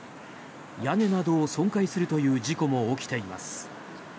屋根などを損壊するという事故も起きています。